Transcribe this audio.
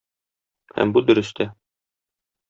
Һәм бу дөрес тә.